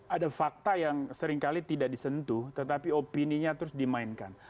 ada fakta yang seringkali tidak disentuh tetapi opininya terus dimainkan